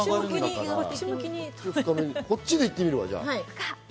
こっちで行ってみるわ。